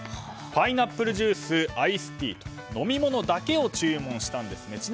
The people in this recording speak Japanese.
パイナップルジュースアイスティー飲み物だけを注文したんですね。